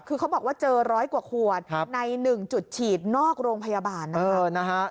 คือเขาบอกว่าเจอร้อยกว่าขวดใน๑จุดฉีดนอกโรงพยาบาลนะครับ